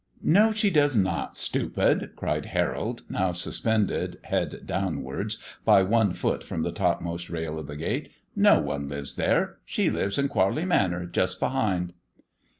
"No, she does not, stupid," cried Harold, now suspended, head downwards, by one foot, from the topmost rail of the gate. "No one lives there. She lives in Quarley Manor, just behind."